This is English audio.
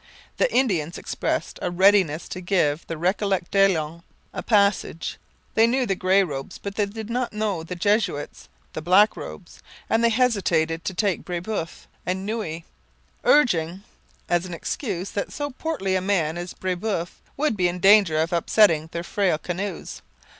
The Indians expressed a readiness to give the Recollet Daillon a passage; they knew the 'grey robes'; but they did not know the Jesuits, the 'black robes,' and they hesitated to take Brebeuf and Noue, urging as an excuse that so portly a man as Brebeuf would be in danger of upsetting their frail canoes.